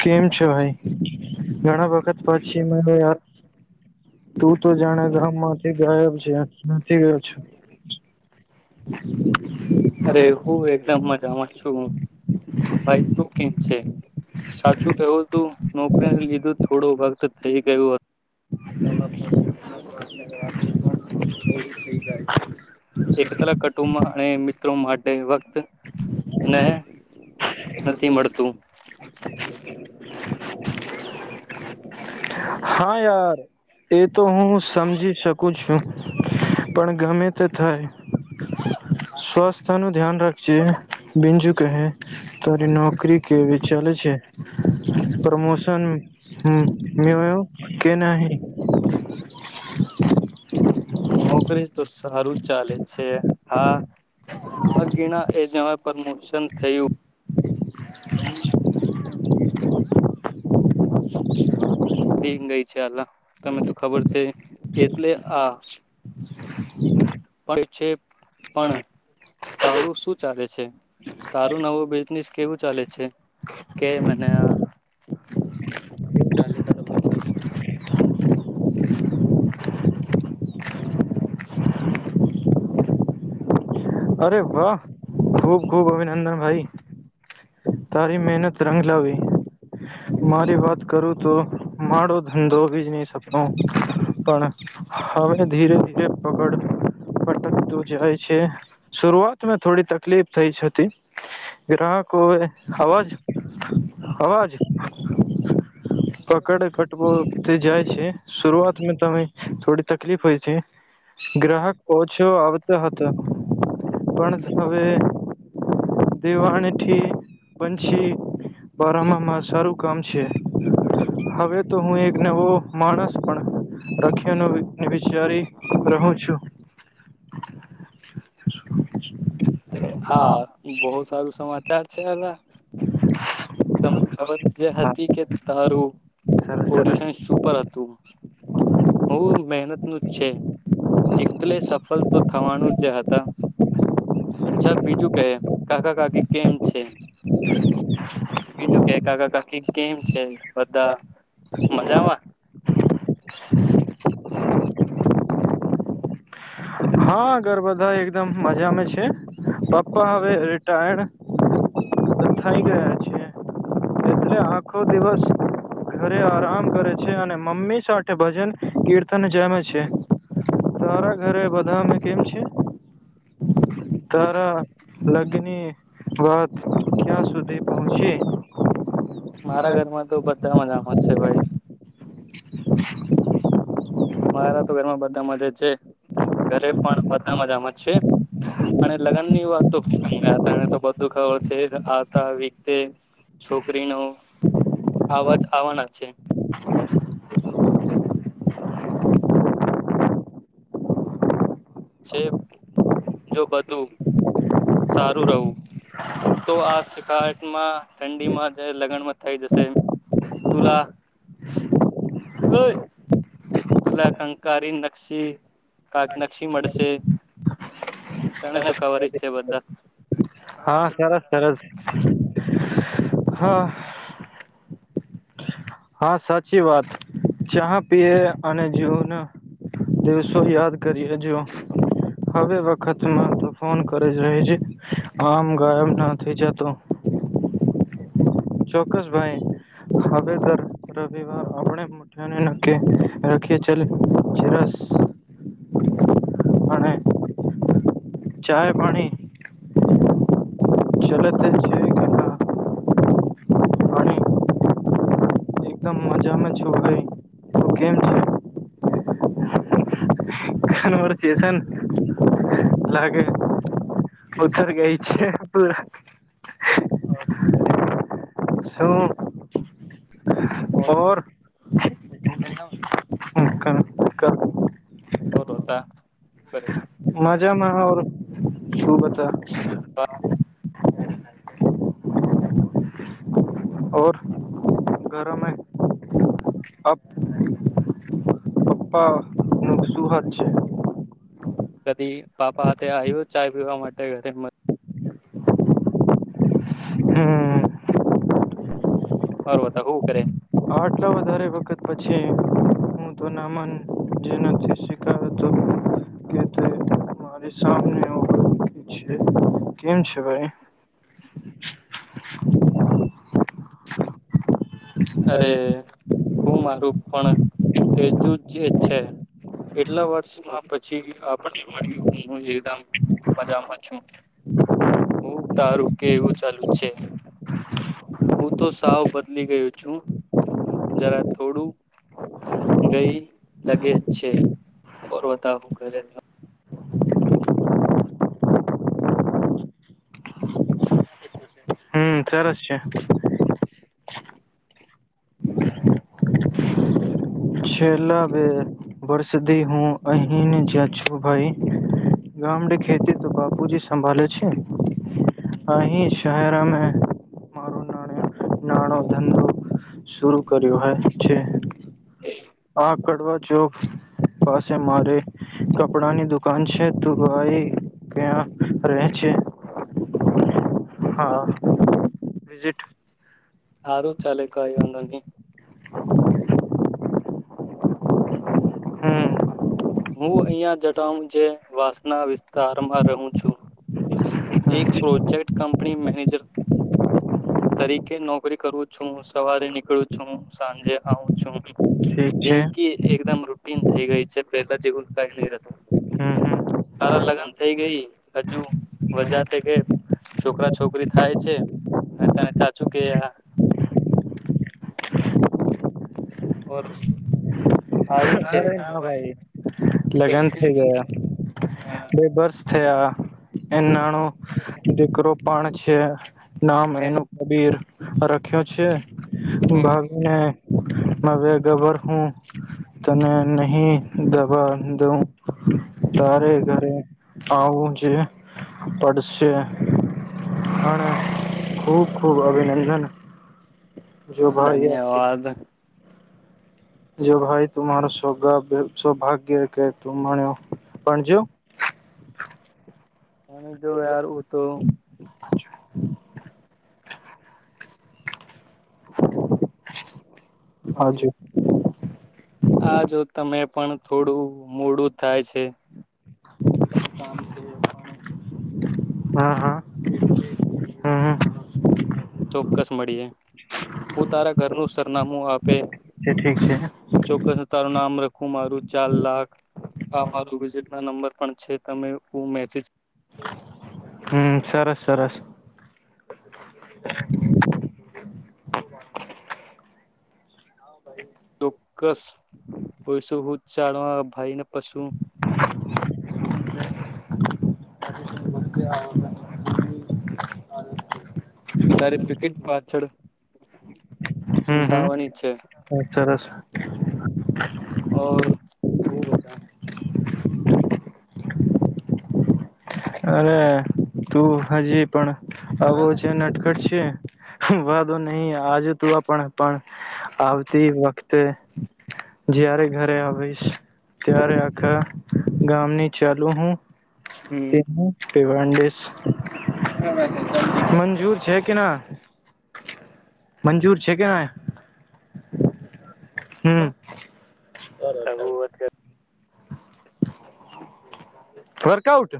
કેમ છે ભાઈ ઘણા વખત પછી [unintelligible] તું તો જાણે ગામ માંથી ગાયબ છે ગયો છે [unintelligible] અરે હું એકદમ મજામાં છું ભાઈ તું કેમ છે સાચું કેવું હતું નોકરી લીધું થોડું વખત થઇ ગયું હતું [unintelligible] [unintelligible] થઈ જાય છે એક તલા કુટુંબ અને મિત્રો માટે વક્ત ને [unintelligible] [unintelligible] નથી મળતું હા યાર એ તો હું સમજી શકું છું પણ ગમે તે થાય સ્વાસ્થ્ય નું ધ્યાન રાખજે બિજુ કહે તરી નોકરી કેવી ચાલે છે પ્રમોશન હમ મે હોું કે નહિ નોકરી તો સારું ચાલે છે હા હા ગીણા એ જવા પ્રમોશન થયું [unintelligible] અલા ગઈ છે અલા તમે તો ખબર છે એટલે આ [inaudible] પણ છે પણ તારું શું ચાલે છે તારું નવો બિઝનેસ કેવું ચાલે છે કે મને આ અરે વાહ ખૂબ ખૂબ અભિનંદન ભાઈ તારી મહેનત રંગલાવી મારી વાત કરું તો માડો ધંધો બી જ નહી સપનો, પણ હવે ધીરે ધીરે પગડ પટકતું જાય છે. શરઆતમાં થોડી તકલીફ થઈ હતી. ગ્રાહકો અવાજ અવાજ પકડે ફટવો તે જાય છે, શરરૂઆત મે તમે થોડી તકલીફ હોય છે. ગ્રાહક પહચ્યો આવતા હતા, પણ હવે દેવાણી થી પંછી બારમામાં શારું કમ છે, હવે તો હું એક નવો માણસ પણ રખનો ને વિચારી રહું છું. [inaudible] હા બહ સારું સમાચાર છે અલા. તને ખબર જે હા હતી કે તારું સરસ સરસ ઓડિશન સુપર હતું. હઉ મહેનત છે, એલે સફળ તો થવાનું જ હતા. અચ્છા બીજું કેહ કાકા કાકી કેમ છે? [inaudible] બીજું કે કાકા કાકી કેમ છે બધા મજામાં? હા ગર બધા એક એકદમ મજામાં છે, પપ્પા હવે રિટાયર્ડ થાઈ ગયા છે, એટલે આખો દિવસ ઘરે આરામ કરે છે અને મમ્મી સાથે ભજન, કીર્તન જમે છે. તારા ઘરે બધામે કેમ છે? તારા લગ્ની વાત ક્યાં સુધી પહોંચી? હરે બ મજામાંત છે ભાઈ. [inaudible] મારા તો ઘર માં બધામાંજ જ છે, ઘરે પણ બધામાંજામાં જ છે. અને લગ્ન ની વાત તો સમયા હતાને તો બધું ખબર છે આતા વતે છોકરી ન અવાજ આવવાના છે. છે જો બધું સારું રહું. તો આ શ કટમાં ઠંડીમાં જે લગ્નમાં થઈ જશે. તુલા હોય. [unintelligible] તુલા કંકારી નકશી કાક નશી મળશે. તને સુું ખબર જ છે બધા. હા સરસ સરસ, હા. હા સાચી વાત ચાહ પીય અને જીવને દિવસો યાદ કરીએ જો હવે ખતમ તો ફોન કરે રહી છે, આમ ગાયબ ના થઈ જતો. ચોક્કસ ભાઈ, હવે રવિવાર આપણે કે રાખએ ચલે જરા હને. ચાય પાણી, ચલે તે છે. કે ના [inaudible] પાણી એકદમ મજામાં છો, ગઈ ગમ છે. સનવરછએસન લાગે. ઉતર ગઈ છે પૂર. શુંર [unintelligible] હમ ક. હોદ ત બ [unintelligible] મજામાં શું બતા. ઓર ઘરોમે અબ પ નું સુુંહદ છે કદી પાપા હાથે આયો ચાય પીવા માટે ઘરે મ હમ. [unintelligible] વાતા હું કરે હટલે વધારે વખત પછી આયો હું તો ના માનું જે નથી શ સાને [unintelligible] છે કેમ છે ભાઈ [inaudible] અરે હું મારું પણ એજુંજ જ છે એટલા વર્ષમાં પછી આપને મળ્યું એ દમ મજામાં છું હું તારું કે એવું ચાલુ છે હું તો સાવ બદલી ગયો છું જરા થોડું ગઈ લગેજ છે ફરોતા હું ક હમ સરસ છે [inaudible] છેલ્લા બે વર્ષધી હું અહીને જ છું ભાઈ ગામડે ખેતી તો બાપુજી સંભાલે છે અહી શહેરામાં મારો ના નાનો ધંધો શર કર્યો હે છે એય હા કડવા જોકસ પાસે મારે કપડાની દુકાન છે તુ ભાઈ ક્યાં રહે છે હા વિઝિટ સારું ચાલે કઈ વાંધ નહી હમ હું અહિયાં જટ જે વાસના વિસ્તારમાં રહું છું [unintelligible] એક પ્રોજેકટ કંપની મેનેજર તરીકે નોકરી કરું છું સવારે નીકળું છું સાંજે આવું છું છે જિંદકી એકદમ રૂટીન થઇ ગઈ છે પહેલા જેવુ ઉલકાય નહીતો હમ હમ તારા લગન થઇ ગઈ હજુ મજા છે કે છોકરા છોકરી થાય છે અને તને ચાચું કે આ [inaudible] ઓર સારું જ અરે ના ભાઈ છે લગન થઇ ગયા હા બે વર્ષ થયા એનાનું દીકરો પણ છે નામ એમ એનું કબીર રખ્યો છે હમ. ભાગને [unintelligible] હમ તને નહી દબા દવ તારે હમ ઘરે આવું જે પડશે [unintelligible] ખૂબ ખૂબ અભિનંદન જો અ ભાઈ ધન્યવાદ જો ભાઈ તુંમાર સૌભાગ્ય સૌભાગ્ય કે [unintelligible] એ તો યાર ઉતો હાજુ આવજે આ જો તમે પણ થોડું મોડું થાય છે હા હા હમ હમ ચોક્કસ મળીએ હું તારા ઘરનું સરનામું આપે એ ઠીક છે ચોક્કસ તારું નામ રખું મારું ચાર લાખ અરો વિઝિટ ના નંબર પણ છે તમે હું મેસેજ હમ સરસ સરસ હા ભાઈ. ચોક્કસ પસો હું ચાડવા ભાઈ ને પશુ. [unintelligible] મ [unintelligible] ત્યારે ક્રિકેટ પાછળ સંતાવાની છે. એટરસ. ઓર અરે તું હજી પણ આવો છે નટખટ છે વાંધો નહી આજે તું આપણે પણ આવતી વખતે જારે ઘરે આવીશ ત્યારે આખા ગામની ચાલુ હું હમ તે હું. ફિડવાડિસ મંજૂર છે કે ના. મંજૂર છે કે ના. હમ કહું વોત કરીએ. Workout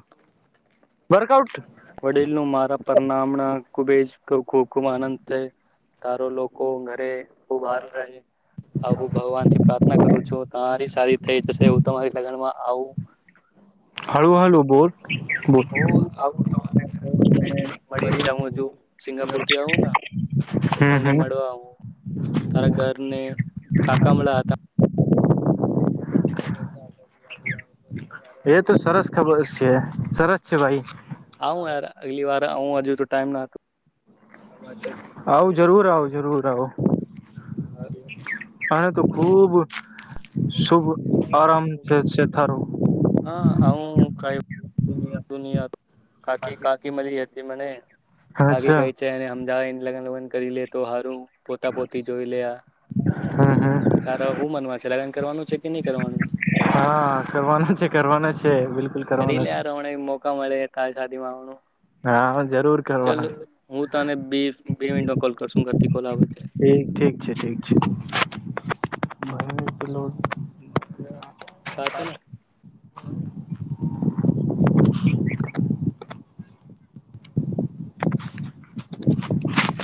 workout. વડીલનું મારા પરનામણા કુબેજ ખૂ ખૂબ આનંદ તે તારો લોકો ઘરે ખૂબ બહાર રહે. હ હું ભગવાન થી પ્રાર્થના કરું છું તમારી સદી થઈ જશે હું તમારી લગનમાં આવુ. હાળુ હાળુ બોલ બોટ હું આવું મળીને જવું હજું સિંગાપુર થી આવું ને તો હમ તમને હમ મળવા તારા ઘરને શાકા મળ્યા હતા. એ તો સરસ ખબર છે સરસ છે ભાઈ. આવું યાર હગલી વાર આવું હજુ તો ટાઈમ ન હતો. આવ જરૂર આવો જરૂર આવો. અનેને તો ખુબ શુભ આરામ છે છેથારું. હા આવું કઈ. ન કાકી કાકી મરી હતી મને કાકી કહે અચ્છા છે. જેને હમદાવાને લગન લગન કરી લે તો સારું પોતા પોતી જોઈ લયા. હા હા. તારા શું મનવા છે લગન કરવાનું છે કે નહી કરવાનું. હા કરવાનો છે કરવાનો છે બિલકુલ કરવાનો છે. કઈ મોકા મળે તાર શાદીમાંવાનું. હા જરૂર ચાલ કરવા હું તને બે બે મિનટમાં કોલ કરશુંથી કોલ આવે છે. ચે ઠીક છે. મારેથી લોન કાતાના [inaudible]